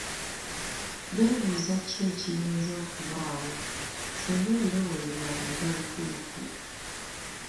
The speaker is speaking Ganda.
Beebuuza ki ekiyinza okubaawo singa ebirowoozo byabwe biba bituufu.